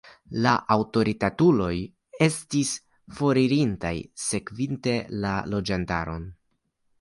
La aŭtoritatuloj estis foririntaj, sekvinte la loĝantaron.